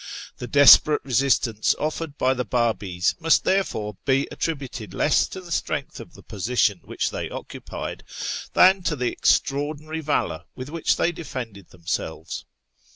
The desperate resistance offered by the Babi's must therefore be attributed less to the strength of the position which they occupied than to the extraordinary valour with which they defended themselves.